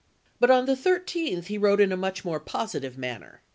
But on the 13th he wrote in a much more positive manner.